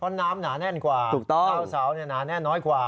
เพราะน้ำหนาแน่นกว่าดาวเสาหนาแน่นน้อยกว่า